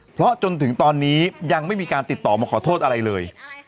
เพราะจนถึงตอนนี้ยังไม่มีการติดต่อมาขอโทษอะไรเลย